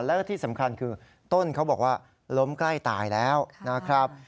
และที่สำคัญคือต้นเขาบอกว่าล้มใกล้ตายแล้วนะครับ